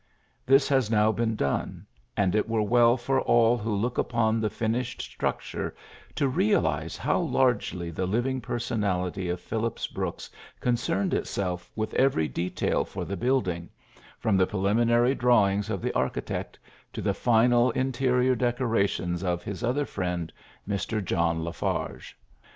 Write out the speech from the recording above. This has now been done j and it were well for all who look upon the finished structure to realize how largely the living personality of Phillips Brooks concerned itself with PHILLIPS BROOKS 45 every detail for the building, from the preliminary drawings of the architect to the final interior decorations of his other friend, Mr. John La Farge.